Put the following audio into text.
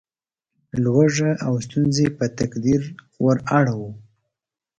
لوږه او ستونزې په تقدیر وراړوو.